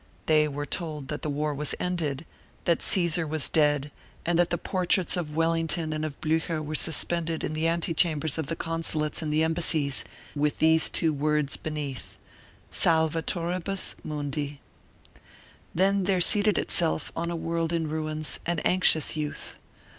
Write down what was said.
They were told that the war was ended, that Caesar was dead, and that the portraits of Wellington and of Blucher were suspended in the antechambers of the consulates and the embassies, with these two words beneath: Salvatoribus mundi. Then there seated itself on a world in ruins an anxious youth.